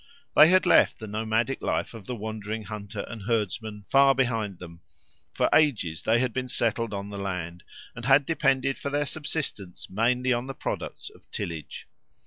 They had left the nomadic life of the wandering hunter and herdsman far behind them; for ages they had been settled on the land, and had depended for their subsistence mainly on the products of tillage.